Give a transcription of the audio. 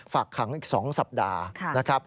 ฝากขังอีก๒สัปดาห์